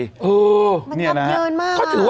มันครับเยอะมาก